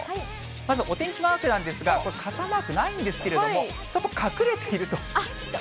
まず、お天気マークなんですが、傘マークないんですけれども、ちょっと隠れていると。